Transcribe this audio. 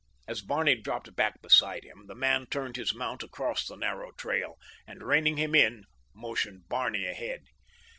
As Barney dropped back beside him the man turned his mount across the narrow trail, and reining him in motioned Barney ahead.